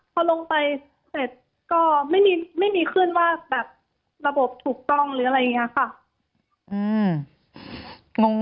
พอลงไปเสร็จก็ไม่มีขึ้นว่าแบบระบบถูกต้องหรืออะไรอย่างนี้ค่ะ